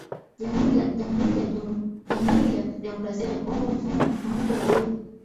Jamhuri ya KiJamuhuri ya Jamuhuri ya Demokrasia ya Kongo Mfumuko wa Bei